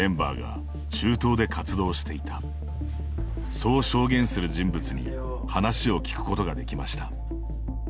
そう証言する人物に話を聞くことができました。